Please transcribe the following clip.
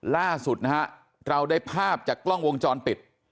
ล่าสุดนะฮะเราได้ภาพจากกล้องวงจรปิด